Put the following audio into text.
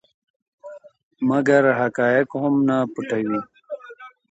مګر حقایق هم نه پټوي.